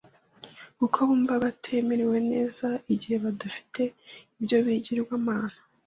kuko bumva batamerewe neza igihe badafite ibyo bigirwamana